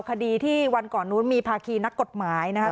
คดีที่วันก่อนนู้นมีภาคีนักกฎหมายนะครับ